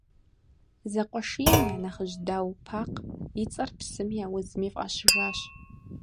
Зэкъуэшийм я нэхъыжь Дау Пакъ и цӏэр псыми аузми фӏащыжащ.